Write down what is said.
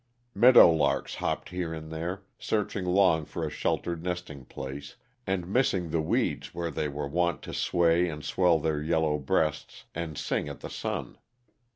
Meadow larks hopped here and there, searching long for a sheltered nesting place, and missing the weeds where they were wont to sway and swell their yellow breasts and sing at the sun.